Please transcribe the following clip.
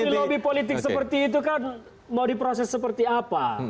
kalau di lobi politik seperti itu kan mau diproses seperti apa